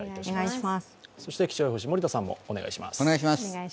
そして気象予報士、森田さんもお願いします。